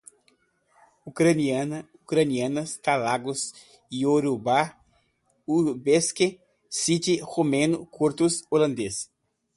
Ucraniana, ucranianas, tagalo, iorubá, usbque, sindi, romeno, curdo, holandês